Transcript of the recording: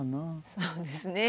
そうですね。